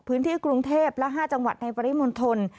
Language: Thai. พื้นที่กรุงเทพและ๕จังหวัดในปริมณฑล